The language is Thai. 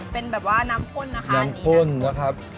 เป็นแบบว่าน้ำข้นนะคะน้ำข้นนะครับ